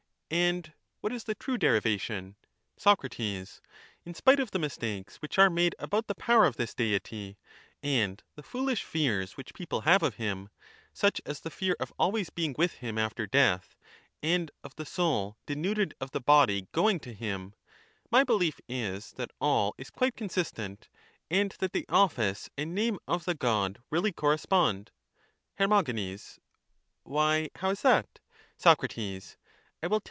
And what is the true derivation? Soc. In spite of the mistakes which are made about the power of this deity, and the foolish fears which people have of him, such as the fear of always being with him after death, and of the soul denuded of the body going to him ^ my behef is that all is quite consistent, and that the office and name of the God really correspond. Her. Why, how is that? Soc. I will tell